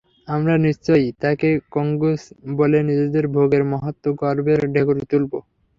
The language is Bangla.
আমরা নিশ্চয়ই তাঁকে কঞ্জুস বলে নিজেদের ভোগের মাহাত্ম্যে গর্বের ঢেকুর তুলব।